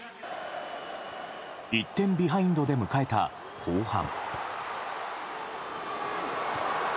１点ビハインドで迎えた後半。